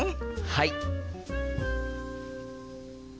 はい！